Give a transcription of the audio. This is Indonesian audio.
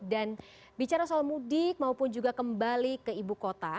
dan bicara soal mudik maupun juga kembali ke ibu kota